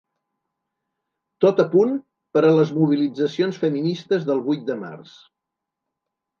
Tot a punt per a les mobilitzacions feministes del vuit de març.